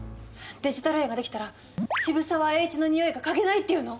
デジタル円ができたら渋沢栄一の匂いが嗅げないっていうの？